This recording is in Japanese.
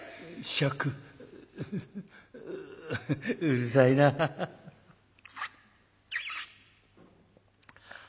「うるさいなあ」。